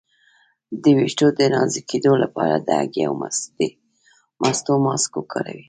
د ویښتو د نازکیدو لپاره د هګۍ او مستو ماسک وکاروئ